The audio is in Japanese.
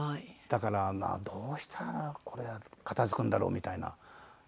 だからどうしたらこれは片付くんだろう？みたいな。